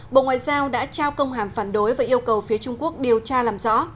bộ ngoại giao đã trao công hàm phản đối và yêu cầu phía trung quốc điều tra làm rõ